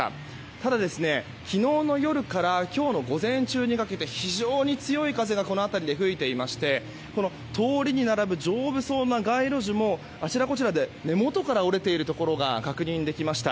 ただ、昨日の夜から今日の午前中にかけて非常に激しい風がこの辺りで吹いていまして通りに並ぶ丈夫そうな街路樹もあちらこちらで根元から折れているところが確認できました。